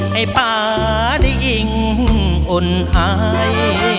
ให้ปลาดิอิ่งอุ่นหาย